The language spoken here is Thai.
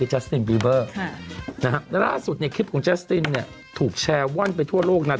คือครับนะฮะแล้วล่าสุดเนี้ยคลิปของเนี้ยถูกแชร์ว่านไปทั่วโลกนัด